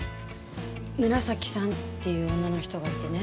紫さんっていう女の人がいてね。